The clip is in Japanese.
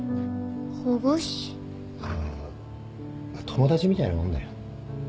友達みたいなもんだよ